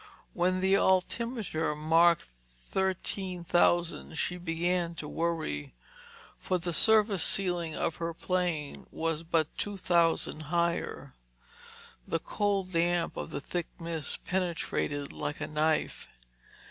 When the altimeter marked thirteen thousand she began to worry, for the service ceiling of her plane was but two thousand higher. The cold damp of the thick mist penetrated like a knife.